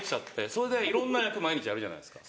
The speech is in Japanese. それでいろんな役毎日やるじゃないですか。